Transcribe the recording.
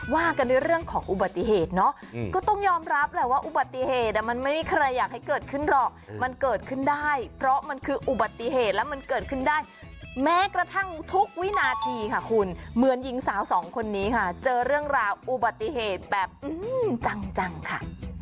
ว่ากันด้วยเรื่องของอุบัติเหตุเนาะก็ต้องยอมรับแหละว่าอุบัติเหตุมันไม่มีใครอยากให้เกิดขึ้นหรอกมันเกิดขึ้นได้เพราะมันคืออุบัติเหตุแล้วมันเกิดขึ้นได้แม้กระทั่งทุกวินาทีค่ะคุณเหมือนหญิงสาวสองคนนี้ค่ะเจอเรื่องราวอุบัติเหตุแบบจังค่ะ